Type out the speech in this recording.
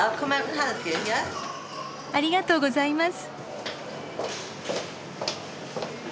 ありがとうございます。